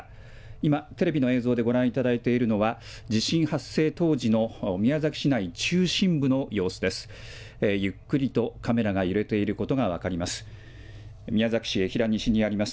今、テレビの映像でご覧いただいているのは、地震発生当時の宮崎市内中心部の様子です。